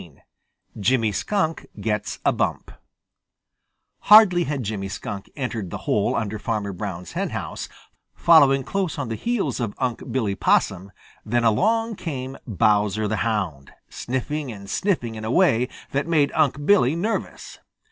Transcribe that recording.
XVII JIMMY SKUNK GETS A BUMP Hardly had Jimmy Skunk entered the hole under Farmer Brown's henhouse, following close on the heels of Unc' Billy Possum, than along came Bowser the Hound, sniffing and sniffing in a way that made Unc' Billy nervous.